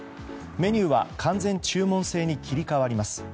メニューは完全注文制に切り替わります。